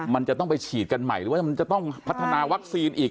มันจะต้องไปฉีดกันใหม่หรือว่ามันจะต้องพัฒนาวัคซีนอีก